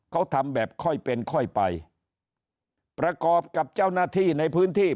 เขาทำแบบค่อยเป็นค่อยไปประกอบกับเจ้าหน้าที่ในพื้นที่